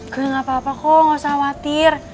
gak apa apa kok gak usah khawatir